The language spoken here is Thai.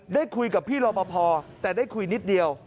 ได้คุยกับพี่รอปภแต่ได้คุยนิดเดียว